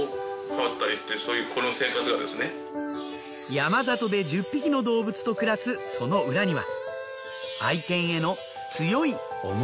山里で１０匹の動物と暮らすその裏には。